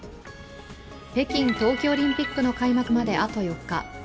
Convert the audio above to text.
北京冬季オリンピックの開幕まであと４日。